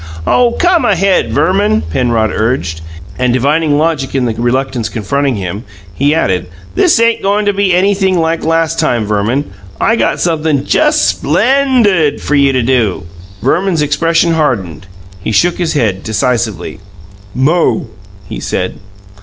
"Oh, come ahead, Verman!" Penrod urged, and, divining logic in the reluctance confronting him, he added, "This ain't goin' to be anything like last time, Verman. I got sumpthing just SPLENDUD for you to do!" Verman's expression hardened; he shook his head decisively. "Mo," he said.